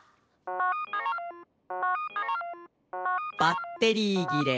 「バッテリーぎれ。